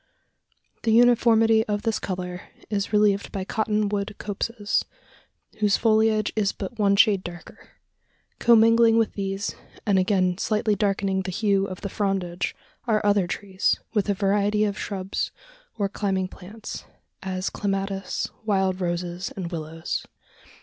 The uniformity of this colour is relieved by cotton wood copses, whose foliage is but one shade darker. Commingling with these, and again slightly darkening the hue of the frondage, are other trees, with a variety of shrubs or climbing plants as clematis, wild roses, and willows.